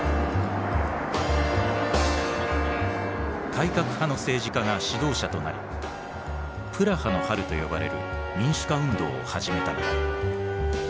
改革派の政治家が指導者となり「プラハの春」と呼ばれる民主化運動を始めたのだ。